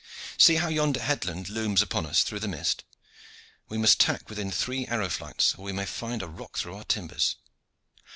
See how yonder headland looms upon us through the mist! We must tack within three arrow flights, or we may find a rock through our timbers.